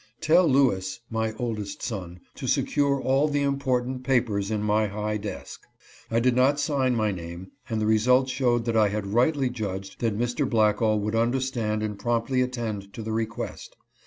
Tell Lewis (my oldest son) to secure all the important papers in my high desk." I did not sign my name, and the result showed that I had rightly judged that Mr. Blackall would understand and promptly attend to the request.